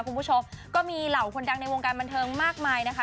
คุณผู้ชมก็มีเหล่าคนดังในวงการบันเทิงมากมายนะคะ